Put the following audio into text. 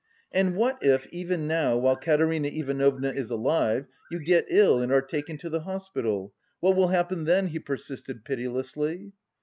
"And, what, if even now, while Katerina Ivanovna is alive, you get ill and are taken to the hospital, what will happen then?" he persisted pitilessly.